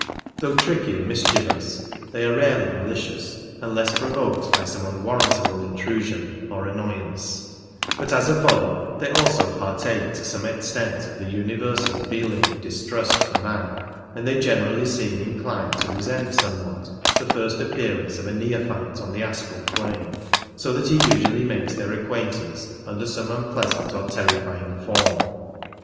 Though tricky and mischievous, they are rarely malicious unless provoked by some unwarrantable intrusion or annoy ance ; but as a body they also partake to some extent of the universal feeling of distrust for man, and they generally seem inclined to resent somewhat the first appearance of a neophyte on the astral plane, so that he usually makes their acquaintance ;under some unpleasant or terrifying form.